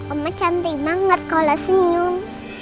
omah cantik banget kalo senyum